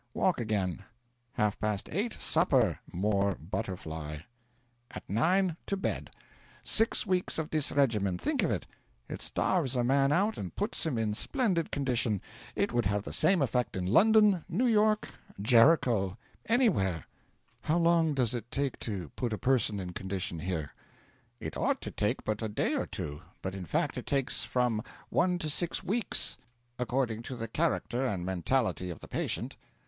Walk again. Half past 8, supper more butterfly; at 9, to bed. Six weeks of this regime think of it. It starves a man out and puts him in splendid condition. It would have the same effect in London, New York, Jericho anywhere.' 'How long does it take to put a person in condition here?' 'It ought to take but a day or two; but in fact it takes from one to six weeks, according to the character and mentality of the patient.'